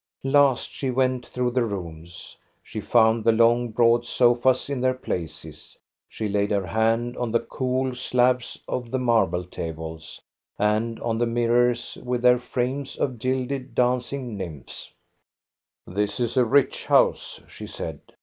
Last she went through the rooms. She found the long broad sofas in their places ; she laid her hand on the cool slabs of the marble tables, and on the mirrors with their frames of gilded dancing nymphs. 112 THE STORY OF GOSTA BERLING This is a rich house," she said.